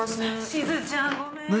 しずちゃんごめん！